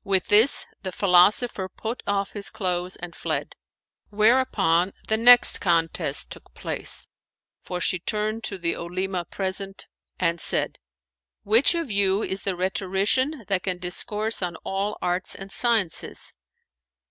"[FN#438] With this the philosopher put off his clothes and fled: whereupon the next contest took place, for she turned to the Olema present and said, "Which of you is the rhetorician that can discourse of all arts and sciences?"